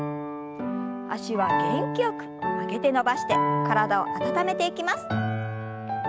脚は元気よく曲げて伸ばして体を温めていきます。